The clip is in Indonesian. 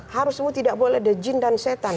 harus semua tidak boleh ada jin dan setan